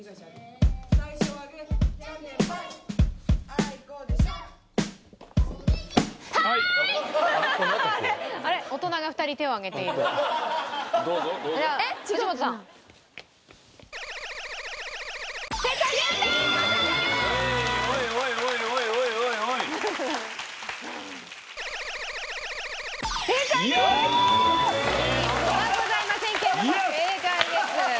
金一封はございませんけれども正解です。